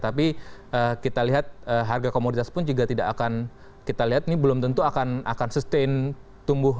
tapi kita lihat harga komoditas pun juga tidak akan kita lihat ini belum tentu akan sustain tumbuh